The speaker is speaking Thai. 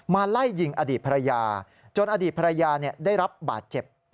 ไล่ยิงอดีตภรรยาจนอดีตภรรยาได้รับบาดเจ็บ